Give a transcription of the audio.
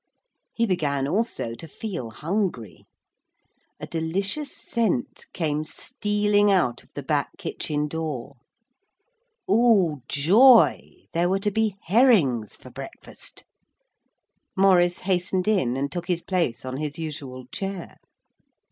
He began also to feel hungry. A delicious scent came stealing out of the back kitchen door. Oh, joy, there were to be herrings for breakfast! Maurice hastened in and took his place on his usual chair.